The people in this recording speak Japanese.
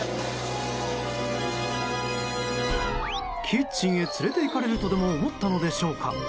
キッチンへ連れていかれるとでも思ったのでしょうか。